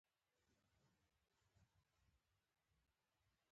له بړچ سره سم چیني یو طالب له پایڅې ونیوه.